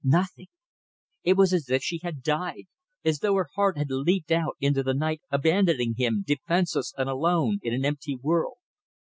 Nothing! It was as if she had died; as though her heart had leaped out into the night, abandoning him, defenceless and alone, in an empty world.